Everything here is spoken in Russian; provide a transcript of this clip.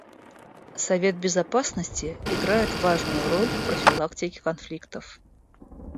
Совет Безопасности играет важную роль в профилактике конфликтов.